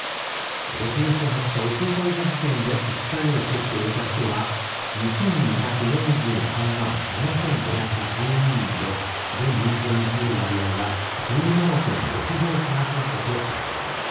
６月２０日、おとといの時点で１回目の接種を終えた人は２２４３万７５１２人で全人口に占める割合は１７．６５パーセントとなっています。